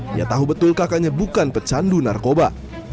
dia tahu betul kakaknya bukan pecandu narkoba